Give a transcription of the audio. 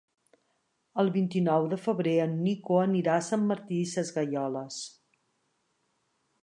El vint-i-nou de febrer en Nico anirà a Sant Martí Sesgueioles.